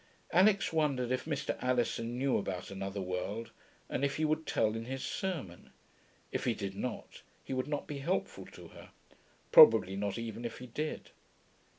Alix wondered if Mr. Alison knew about another world, and if he would tell in his sermon. If he did not, he would not be helpful to her. Probably not even if he did.